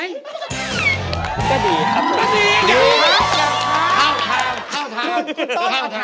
ดีอยากพักอยากพักอยากพักอยากพักอยากพักอยากพักอยากพักอยากพัก